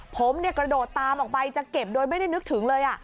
ผมกระโดดตามออกไปจะเก็บโดยไม่ได้นึกถึงเลย